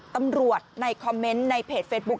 ตำรวจในคอมเมนต์ในเพจเฟซบุ๊